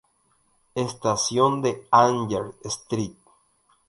Estación de Angers St.